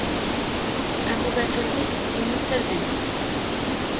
Әбүбәкерҙе һин үҫтерҙең.